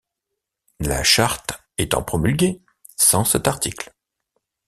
La charte étant promulguée sans cet article.